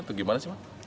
atau gimana sih mas